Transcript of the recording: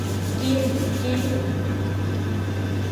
กินกิน